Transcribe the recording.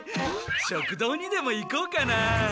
食堂にでも行こうかな。